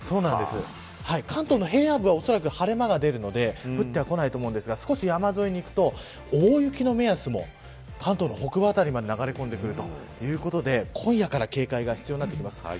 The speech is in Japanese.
関東の平野部は、おそらく晴れ間が出るので降ってはこないと思うんですが少し山沿いに行くと大雪の目安も関東の北部辺りまで流れ込んでくるということで今夜から警戒が必要になってきます。